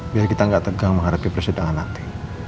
biar kita nggak tegang menghadapi persidangan nanti